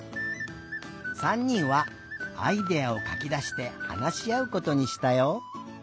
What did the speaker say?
３にんはアイデアをかきだしてはなしあうことにしたよ。